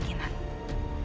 jika itu memang keinginan